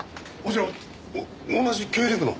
じゃあ同じ経理部の？